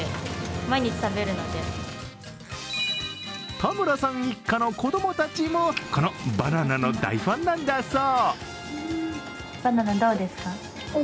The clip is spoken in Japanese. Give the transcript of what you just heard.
田村さん一家の子供たちもこのバナナの大ファンなんだそう。